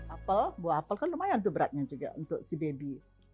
apel buah apel kan lumayan tuh beratnya juga untuk si baby